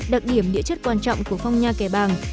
đặc điểm địa chất quan trọng của phong nha kẻ bàng